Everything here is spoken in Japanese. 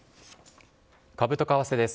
株と為替です。